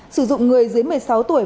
sử dụng người dưới một mươi sáu tuổi